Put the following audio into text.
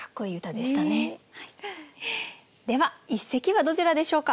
では一席はどちらでしょうか？